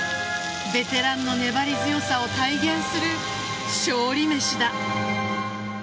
ベテランの粘り強さを体現する勝利めしだ。